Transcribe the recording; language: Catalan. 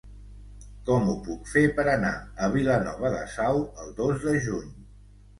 Com ho puc fer per anar a Vilanova de Sau el dos de juny?